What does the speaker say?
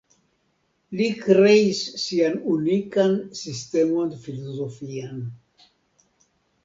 Li kreis sian unikan sistemon filozofian.